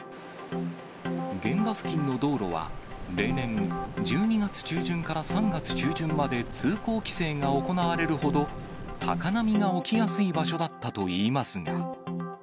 現場付近の道路は、例年、１２月中旬から３月中旬まで通行規制が行われるほど、高波が起きやすい場所だったといいますが。